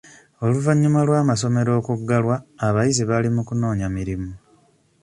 Oluvannyuma lw'amasomero okuggalwa, abayizi bali mu kunoonya mirimu.